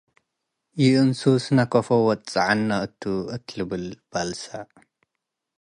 ይእንሱስና ከአፎ ወትጸዐንነ እቱ'?” እት ልብል በልሰ።